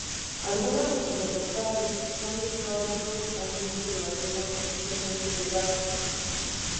Algunos de sus reportajes son de sórdidos ambientes de Barcelona, especialmente del Barrio Chino.